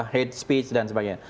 hate speech dan sebagainya